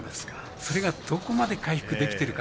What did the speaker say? それが、どこまで回復できてるか。